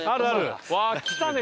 うわあ来たね